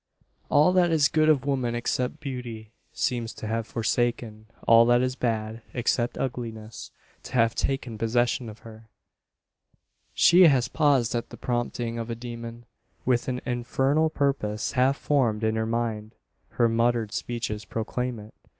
All that is good of woman, except beauty, seems to have forsaken all that is bad, except ugliness, to have taken possession of her! She has paused at the prompting of a demon with an infernal purpose half formed in her mind. Her muttered speeches proclaim it.